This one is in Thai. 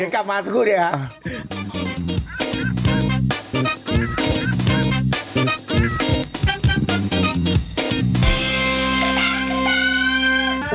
กลับมาสักครู่เดียวครับ